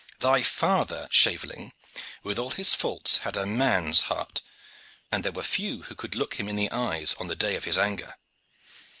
Thy father, shaveling, with all his faults, had a man's heart; and there were few who could look him in the eyes on the day of his anger.